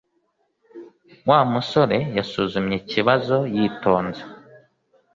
wa musore yasuzumye ikibazo yitonze.